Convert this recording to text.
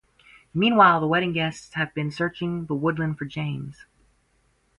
Meanwhile, the wedding guests have been searching the woodland for James.